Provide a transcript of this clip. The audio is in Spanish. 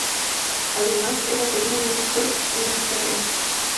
Además, era primo de Victor Klemperer.